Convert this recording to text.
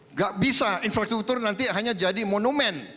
nggak bisa infrastruktur nanti hanya jadi monumen